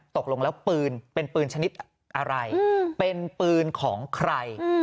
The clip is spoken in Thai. ตกลงแล้วปืนเป็นปืนชนิดอะไรเป็นปืนของใคร